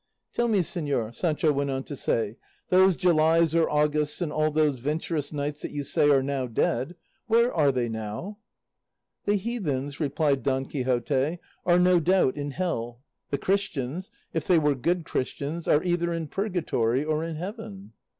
"Tell me, señor," Sancho went on to say, "those Julys or Augusts, and all those venturous knights that you say are now dead where are they now?" "The heathens," replied Don Quixote, "are, no doubt, in hell; the Christians, if they were good Christians, are either in purgatory or in heaven."